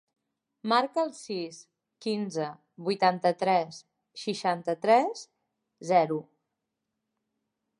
Marca el sis, quinze, vuitanta-tres, seixanta-tres, zero.